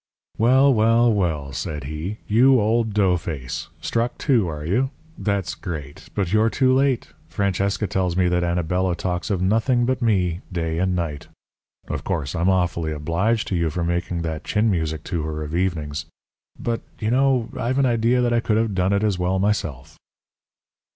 "'Well, well, well,' said he, 'you old doughface! Struck too, are you? That's great! But you're too late. Francesca tells me that Anabela talks of nothing but me, day and night. Of course, I'm awfully obliged to you for making that chin music to her of evenings. But, do you know, I've an idea that I could have done it as well myself.'